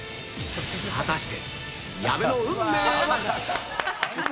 果たして矢部の運命は？